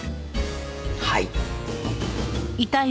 はい。